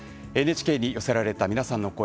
ＮＨＫに寄せられた皆さんの声